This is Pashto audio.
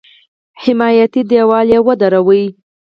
حمایتي دېوال ودروي.